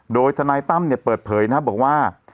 โดยทนายตั้มเนี่ยเปิดเผยนะครับบอกว่า